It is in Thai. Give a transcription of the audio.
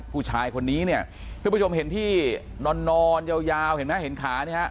ผู้ชายคนนี้เนี่ยทุกผู้ชมเห็นที่นอนยาวเห็นไหมเห็นขาเนี่ยฮะ